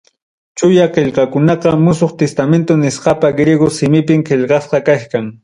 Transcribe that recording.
Chuya qillqakunaqa musuq testamento nisqapa, griego simipim qillqasqa kachkan.